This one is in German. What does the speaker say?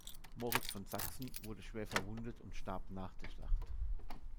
Moritz von Sachsen wurde schwer verwundet und starb nach der Schlacht.